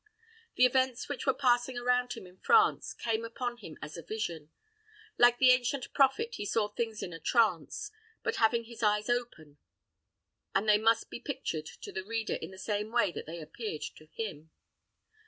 The events which were passing around him in France came upon him as a vision. Like the ancient prophet, he saw things in a trance, but having his eyes open; and they must be pictured to the reader in the same way that they appeared to him.